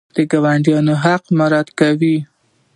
د ګاونډیانو حق مراعات کوئ؟